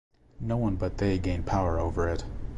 No one but they gained power over it.